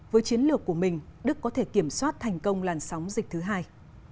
với chiến lược của mình đức có thể kiểm soát thành công làn sóng dịch thứ hai